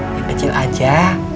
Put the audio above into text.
yang kecil aja